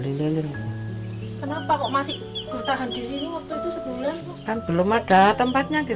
terunnya saya akan merottong bisnis